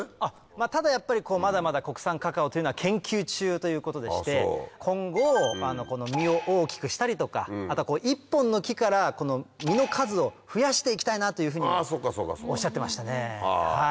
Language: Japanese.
ただやっぱりまだまだ国産カカオというのは研究中ということでして今後実を大きくしたりとかあとは１本の木から実の数を増やして行きたいなというふうにおっしゃってましたね。